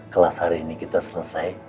kelas hari ini kita selesai